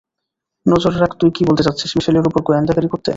নজর রাখ তুই কি বলতে চাচ্ছিস, মিশেলের উপর গোয়েন্দাগিরি করতে?